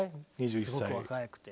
すごく若くて。